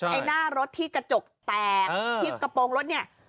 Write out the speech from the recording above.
ไอ้หน้ารถที่กระจกแตกที่กระโปรงรถเนี่ย